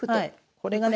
これがね